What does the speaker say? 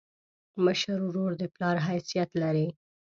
مشر ورور د پلار حیثیت لري.